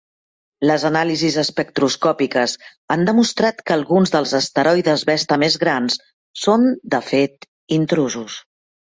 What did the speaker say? Les anàlisis espectroscòpiques han demostrat que alguns dels asteroides Vesta més grans són, de fet, intrusos.